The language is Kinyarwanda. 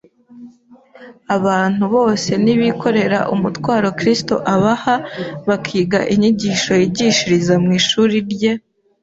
Abantu bose nibikorera umutwaro Kristo abaha, bakiga inyigisho yigishriza mu ishuri rye,